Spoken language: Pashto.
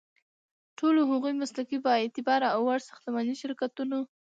ټولو هغو مسلکي، بااعتباره او وړ ساختماني شرکتونو